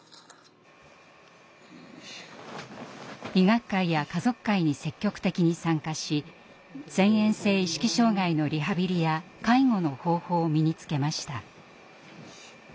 医学会や家族会に積極的に参加し遷延性意識障害のリハビリや介護の方法を身につけました。